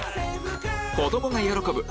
子供が喜ぶ！